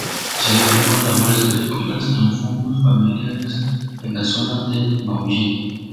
Se dedicó a labores agrícolas en fundos familiares, en la zona de Maullín.